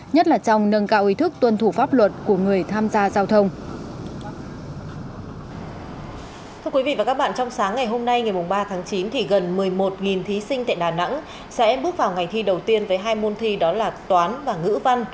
nhất là trong nâng cao ý thức tuân thủ pháp luật của người tham gia giao thông